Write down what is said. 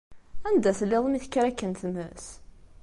Anda telliḍ mi tekker akken tmes?